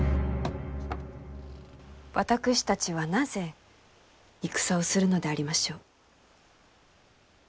私たちはなぜ戦をするのでありましょう？